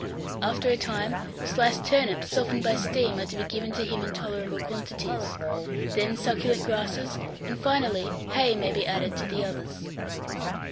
After a time, sliced turnips softened by steam are to be given to him in tolerable quantities; then succulent grasses; and finally, hay may be added to the others.